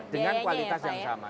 dengan kualitas yang sama